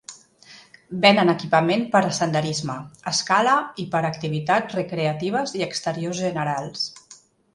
Venen equipament per a senderisme, escala i per a activitats recreatives i exteriors generals.